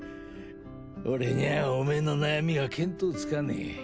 俺にゃあオメェの悩みが見当つかねえ。